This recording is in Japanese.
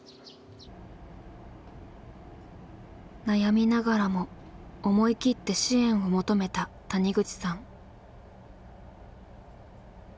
悩みながらも思い切って支援を求めた谷口さん。